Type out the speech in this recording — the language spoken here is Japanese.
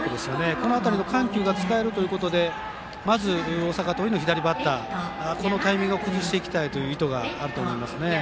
この辺りの緩急が使えるということでまず、大阪桐蔭の左バッターのタイミングを崩していきたいという意図があると思います。